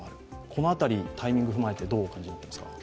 このあたりタイミング踏まえてどうお感じになりますか？